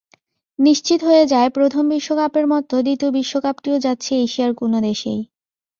নিশ্চিত হয়ে যায় প্রথম বিশ্বকাপের মতো দ্বিতীয় বিশ্বকাপটিও যাচ্ছে এশিয়ার কোনো দেশেই।